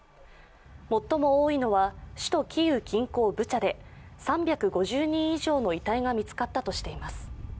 最も多いのは首都キーウ近郊ブチャで３５０人以上の遺体が見つかったとしています。